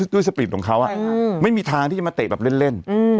สปีดของเขาไม่มีทางที่จะมาเตะแบบเล่น